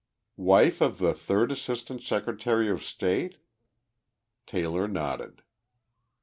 "Wife of the Third Assistant Secretary of State?" Taylor nodded.